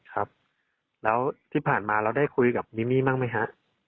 ครับแล้วที่ผ่านมาเราได้คุยกับมิมี่บ้างไหมฮะ